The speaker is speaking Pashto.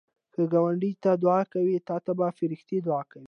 که ګاونډي ته دعا کوې، تا ته به فرښتې دعا کوي